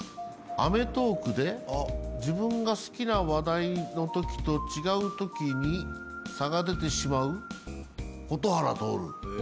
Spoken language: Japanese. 『アメトーーク！』で自分が好きな話題のときと違うときに差が出てしまう蛍原徹。